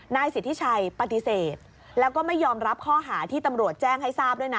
นายสิทธิชัยปฏิเสธแล้วก็ไม่ยอมรับข้อหาที่ตำรวจแจ้งให้ทราบด้วยนะ